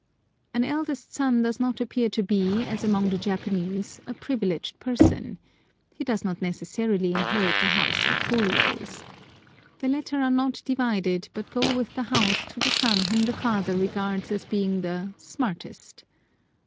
An eldest son does not appear to be, as among the Japanese, a privileged person. He does not necessarily inherit the house and curios. The latter are not divided, but go with the house to the son whom the father regards as being the "smartest."